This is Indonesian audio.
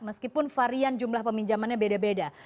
meskipun varian jumlah peminjamannya beda beda